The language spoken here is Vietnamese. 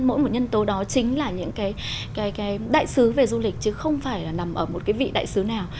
mỗi một nhân tố đó chính là những cái đại sứ về du lịch chứ không phải là nằm ở một cái vị đại sứ nào